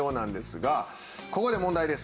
ここで問題です。